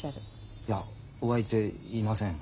いやお相手いません。